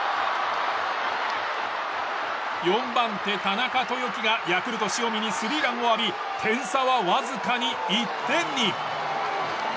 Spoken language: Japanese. ４番手、田中豊樹がヤクルト、塩見にスリーランを浴び点差はわずかに１点に。